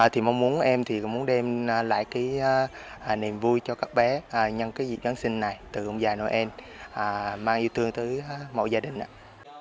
thì mong muốn em thì cũng muốn đem lại cái niềm vui cho các bé nhân cái dịp giáng sinh này từ ông già noel mang yêu thương tới mọi gia đình